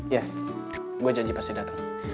ya gue janji pasti datang